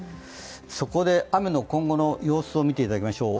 そこで雨の今後の様子を見ていただきましょう。